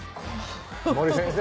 森先生